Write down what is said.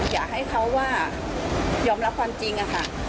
อยากให้เขาว่ายอมรับความจริงอะค่ะ